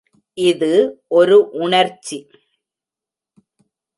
இது ஒரு உண்ர்ச்சி.